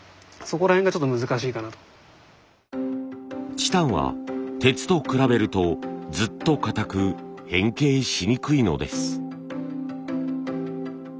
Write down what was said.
チタンは鉄と比べるとずっとかたく変形しにくいのです。